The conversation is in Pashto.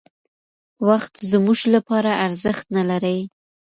وخت زموږ لپاره ارزښت نهلري.